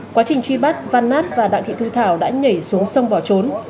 quá trình truy bắt văn nát và đặng thị thu thảo đã nhảy xuống sông bỏ trốn